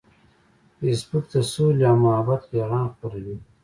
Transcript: فېسبوک د سولې او محبت پیغام خپروي